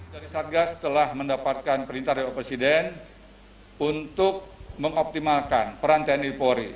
dari satgas telah mendapatkan perintah dari presiden untuk mengoptimalkan peran tni polri